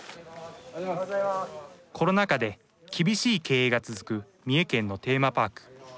コロナ禍で厳しい経営が続く三重県のテーマパーク。